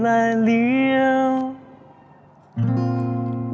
จากคอที่ถูกว่าย